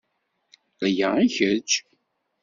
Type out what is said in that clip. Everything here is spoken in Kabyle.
Aya i kečč.